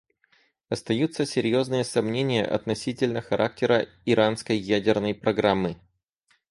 Остаются серьезные сомнения относительно характера иранской ядерной программы.